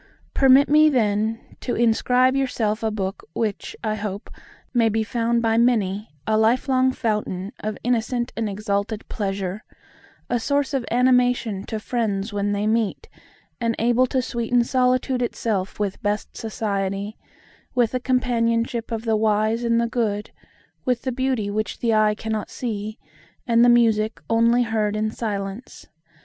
Permit me, then, to inscribe to yourself a book which, I hope, may be found by many a lifelong fountain of innocent and exalted pleasure; a source of animation to friends when they meet; and able to sweeten solitude itself with best society,—with the companionship of the wise and the good, with the beauty which the eye cannot see, and the music only heard in silence.